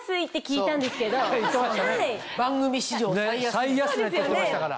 最安値って言ってましたから。